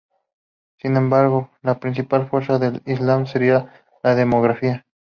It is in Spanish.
Sin embargo, la principal fuerza del Islam será la demografía.